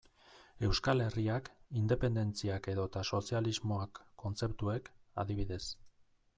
Euskal Herriak, independentziak edota sozialismoak kontzeptuek, adibidez.